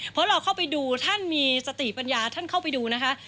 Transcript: เพราะเราเข้าไปดูท่านมีสติปัญญาท่านเข้าไปดูนะคะ